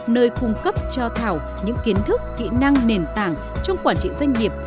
nơi cung cấp cho thảo những kiến thức kỹ năng nền tảng trong quản trị doanh nghiệp